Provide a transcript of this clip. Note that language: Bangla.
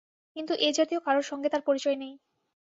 কিন্তু এ-জাতীয় কারোর সঙ্গে তাঁর পরিচয় নেই।